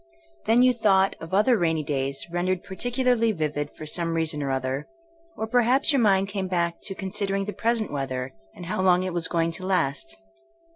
Then you 'Hhought'* of other rainy days rendered particularly vivid for some reason or other, or perhaps your mind came back to considering the present weather, and how long it was going to last.